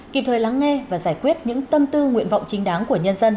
kịp thời lắng nghe và giải quyết những tâm tư nguyện vọng chính đáng của nhân dân